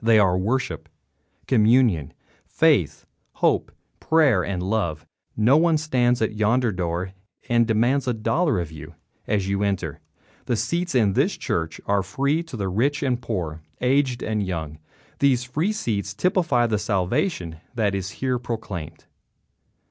They are worship, communion, faith, hope, prayer and love. No one stands at yonder door and demands a dollar of you as you enter. The seats in this church are free to rich and poor, aged and young. These free seats typify the salvation that is here proclaimed.